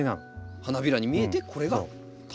花びらに見えてこれが単独の花。